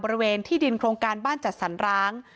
บริเวณที่ดินโครงการบ้านจัดสรร้าง